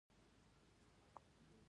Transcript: ګلران دښتې څومره پراخې دي؟